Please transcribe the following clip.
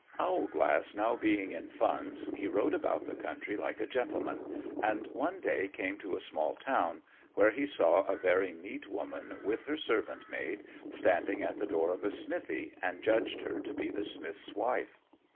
_ Owlglass now being in funds, he rode about the country like a gentleman, and one day came to a small town, where he saw a very neat woman, with her servant maid, standing at the door of a smithy, and judged her to be the smith's wife.